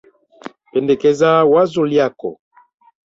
Pendekeza wazo lyako.